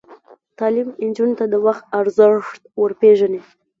تعلیم نجونو ته د وخت ارزښت ور پېژني.